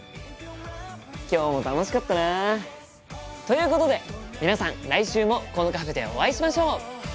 今日も楽しかったな。ということで皆さん来週もこのカフェでお会いしましょう！